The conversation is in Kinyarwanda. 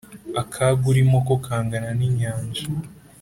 Akaga urimo ko kangana n’inyanja,